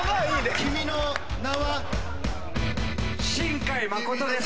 君の名は？新海誠です。